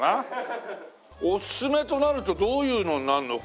おすすめとなるとどういうのになるの？